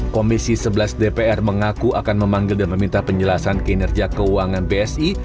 komisi sebelas dpr mengaku akan memanggil dan meminta penjelasan kinerja keuangan bsi